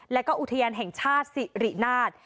แล้วก็อุทยานแห่งชาติสิรินาท